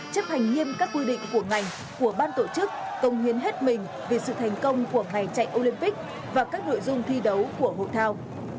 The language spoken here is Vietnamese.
chấp hành nghiêm các quy định của ngành của ban tổ chức công hiến hết mình vì sự thành công của ngày chạy olympic và các nội dung thi đấu của hội thao